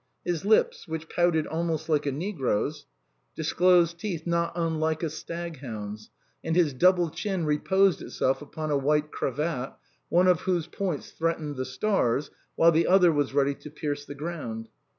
His lips, which pouted almost like a negro's, disclosed teeth not unlike a stag hound's; and his double chin reposed itself upon a white cravat, one of whose points threatened the stars, while the other was ready to pierce the ground.